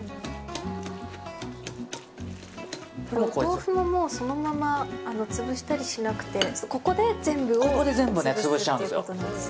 お豆腐はそのまま潰したりしなくてここで全部を潰しちゃうんです。